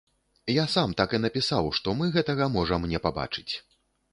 Я сам так і напісаў, што мы гэтага можам не пабачыць.